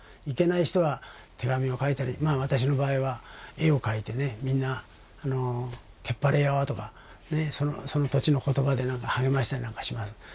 行けない人は手紙を書いたり私の場合は絵を描いてねみんなけっぱれよとかその土地の言葉で励ましたりなんかします。